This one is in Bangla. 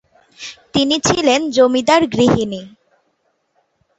তিনি ছিলেন জমিদার-গৃহিনী।